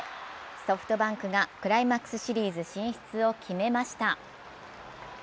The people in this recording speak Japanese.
ソフトバンクがクライマックスシリーズ進出を決めました。